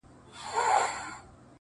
• د خوني زمري منګولو څيرولم -